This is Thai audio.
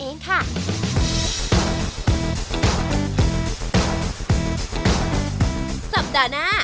คนที่มาทานอย่างเงี้ยควรจะมาทานแบบคนเดียวนะครับ